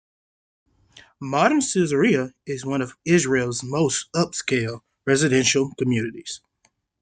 Modern Caesarea is one of Israel's most upscale residential communities.